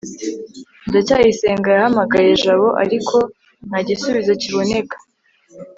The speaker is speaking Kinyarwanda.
ndacyayisenga yahamagaye jabo, ariko nta gisubizo kiboneka